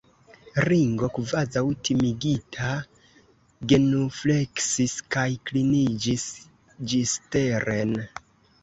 Ringo, kvazaŭ timigita, genufleksis kaj kliniĝis ĝisteren.